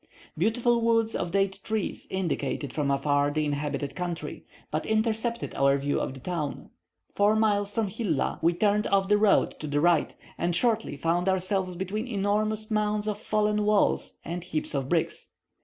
Beautiful woods of date trees indicated from afar the inhabited country, but intercepted our view of the town. Four miles from Hilla we turned off the road to the right, and shortly found ourselves between enormous mounds of fallen walls and heaps of bricks.